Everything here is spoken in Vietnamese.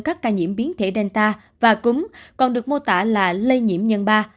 các ca nhiễm biến thể delta và cũng còn được mô tả là lây nhiễm nhân ba